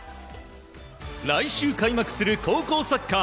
来週開幕する高校サッカー。